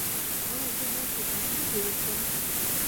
ایا زه باید په بامیان کې اوسم؟